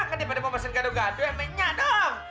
kan dia pada mau pesen gado gado ya maknya dong